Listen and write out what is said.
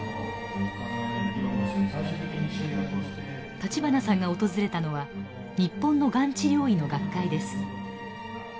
立花さんが訪れたのは日本のがん治療医の学会です。